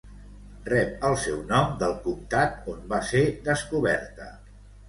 Rep el seu nom del comtat on va ser descoberta.